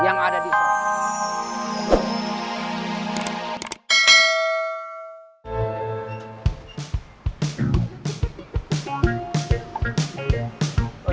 yang ada disono